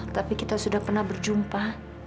tapi kita sudah pernah berjumpa